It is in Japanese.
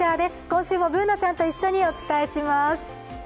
今週もＢｏｏｎａちゃんと一緒にお伝えします。